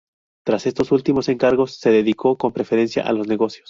Tras estos últimos encargos se dedicó con preferencia a los negocios.